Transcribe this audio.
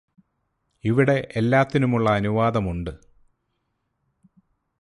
ഇവിടെ എല്ലാത്തിനുമുള്ള അനുവാദമുണ്ട്